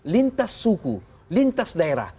lintas suku lintas daerah